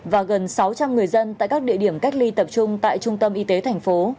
và gần sáu trăm linh người dân tại các địa điểm cách ly tập trung tại trung tâm y tế thành phố